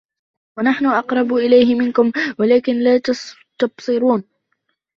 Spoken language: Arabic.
وَنَحْنُ أَقْرَبُ إِلَيْهِ مِنكُمْ وَلَكِن لّا تُبْصِرُونَ